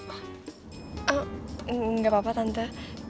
ah enggak apa apa tante